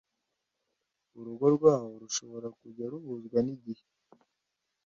urugo rwaho rushobora kujya ruhuzwa n igihe